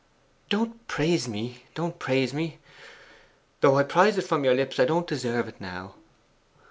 'Don't praise me don't praise me! Though I prize it from your lips, I don't deserve it now.